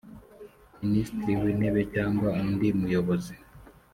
minisitiri w intebe cyangwa undi muyobozi